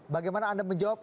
bagaimana anda menjawab